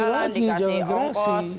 di ajak jalan jalan dikasih ongkos